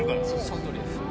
そのとおりです